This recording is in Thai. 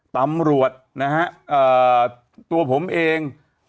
ตำรวจนะฮะตัวผมเอง